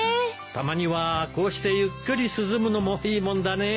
たまにはこうしてゆっくり涼むのもいいもんだねえ。